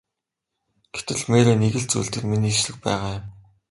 Гэтэл Мэри нэг л зүйл дээр миний эсрэг байгаа юм.